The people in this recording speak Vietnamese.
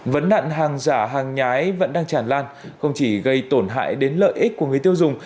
vấn đạn hàng giả hàng nhái vẫn đang chản lan không chỉ gây tổn hại đến lợi ích của người tiêu dùng